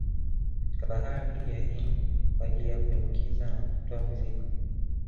Katika bahari hii ya Hindi kwa ajili ya kuingiza na kutoa mizigo